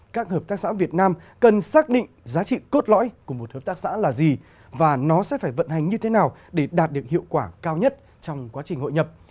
các hợp tác xã việt nam cần xác định giá trị cốt lõi của một hợp tác xã là gì và nó sẽ phải vận hành như thế nào để đạt được hiệu quả cao nhất trong quá trình hội nhập